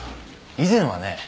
以前はね。